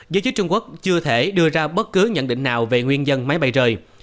giới chức trung quốc chưa thể đưa ra bất cứ nhận định nào về nguyên dân máy bay rời